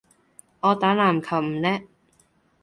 我打籃球唔叻